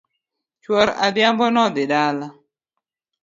Chuor adhiambo nodhi dala